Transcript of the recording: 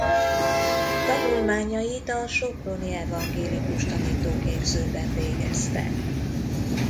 Tanulmányait a soproni evangélikus tanítóképzőben végezte.